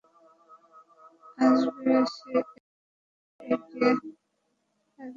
আসবে, সে এক সময় এগিয়ে আসবে তার কাছে।